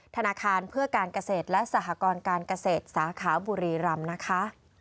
ธนาคารเพื่อการเกษตรและสหกรการเกษตรสาขาบุรีรำนะคะ